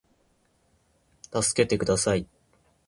たすけてください